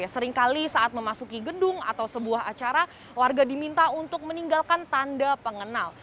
seringkali saat memasuki gedung atau sebuah acara warga diminta untuk meninggalkan tanda pengenal